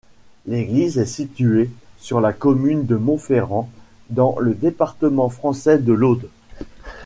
L'église est située sur la commune de Montferrand, dans le département français de l'Aude.